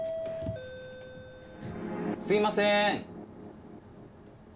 すいません。